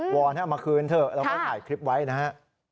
อนให้เอามาคืนเถอะแล้วก็ถ่ายคลิปไว้นะฮะ